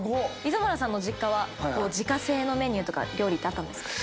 磯村さんの実家は自家製のメニューとか料理ってあったんですか？